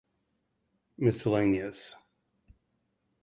Misc.